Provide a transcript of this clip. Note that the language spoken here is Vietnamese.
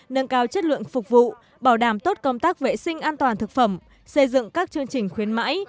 nâng cao chất lượng phục vụ bảo đảm tốt công tác vệ sinh an toàn thực phẩm xây dựng các chương trình khuyến mãi